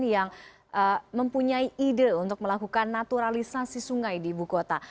yang mempunyai ide untuk melakukan naturalisasi sungai di ibu kota